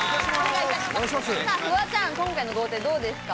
フワちゃん、今回の豪邸どうですか？